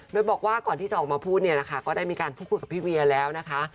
โดยบอกว่าก่อนที่จะออกมาพูดเนี่ยนะคะก็ได้มีการพูดคุยกับพี่เวียแล้วนะคะ